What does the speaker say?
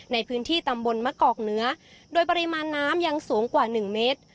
ในพื้นที่ตำบลมะกอกเหนือโดยปริมาณน้ำยังสูงกว่าหนึ่งเมตร